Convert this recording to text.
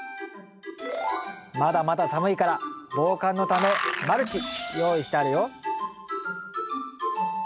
まだまだ寒いから防寒のためマルチ用意してあるよ。